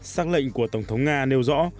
sắc lệnh của tổng thống nga nêu rõ